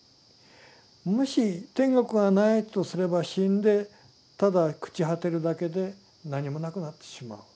もし天国がないとすれば死んでただ朽ち果てるだけで何もなくなってしまう。